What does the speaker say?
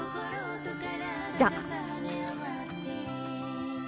じゃあ。